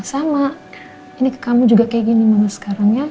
sama ini ke kamu juga kayak gini mama sekarang ya